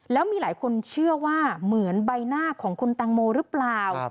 แล้วมีหลายคนเชื่อว่าเหมือนใบหน้าของคุณแตงโมหรือเปล่า